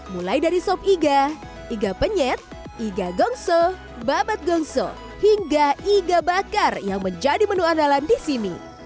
mulai dari sop iga iga penyet iga gongso babat gongso hingga iga bakar yang menjadi menu andalan di sini